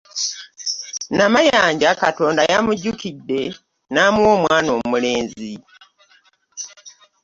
Namayanja Katonda yamujjukidde n'amuwa omwana omulenzi.